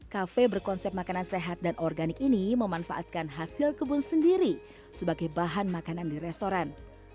kafe berkonsep makanan sehat dan organik ini memanfaatkan hasil kebun sendiri sebagai bahan makanan di restoran